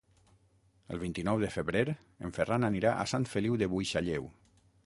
El vint-i-nou de febrer en Ferran anirà a Sant Feliu de Buixalleu.